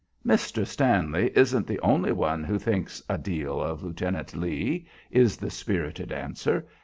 "Mr. Stanley isn't the only one who thinks a deal of Lieutenant Lee," is the spirited answer.